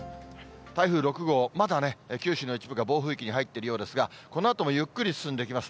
台風６号、まだね、九州の一部が暴風域に入っているようですが、このあともゆっくり進んでいきます。